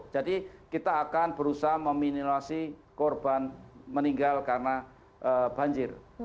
jadi kita akan berusaha meminimalisir korban meninggal karena banjir